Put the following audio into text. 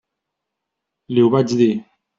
Li ho vaig dir.